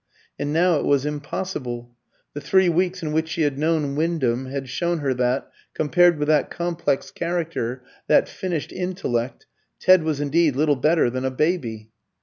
And now it was impossible. The three weeks in which she had known Wyndham had shown her that, compared with that complex character, that finished intellect, Ted was indeed little better than a baby.